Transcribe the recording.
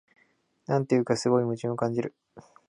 なんというか、すごい矛盾を感じる